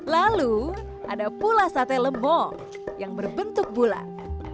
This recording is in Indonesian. lalu ada pula sate lembong yang berbentuk bulat